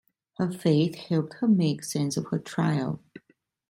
Her faith helped her make sense of her trial.